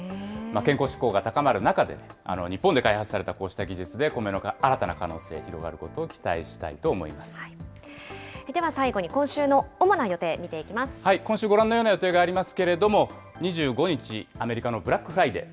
健康志向が高まる中で、日本で開発されたこうした技術で、コメの新たな可能性、広がることを期待では最後に今週の主な予定見今週、ご覧のような予定がありますけれども、２５日、アメリカのブラックフライデー。